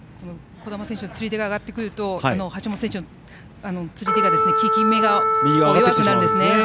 児玉選手の釣り手が上がってくると橋本選手の釣り手の効き目が弱くなるんですね。